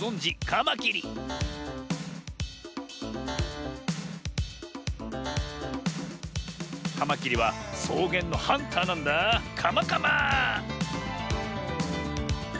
カマキリはそうげんのハンターなんだカマカマ。